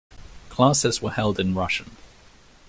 Classes were held in Russian.